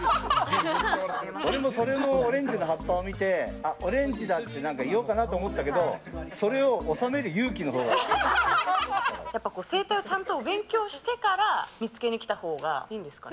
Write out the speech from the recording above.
俺もそのオレンジの葉っぱを見てオレンジだって言おうかなと思ったけど生態をちゃんと勉強してから見つけに来たほうがいいですね。